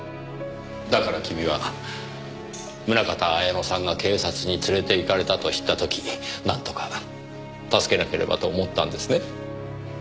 だから君は宗方綾乃さんが警察に連れて行かれたと知った時なんとか助けなければと思ったんですね？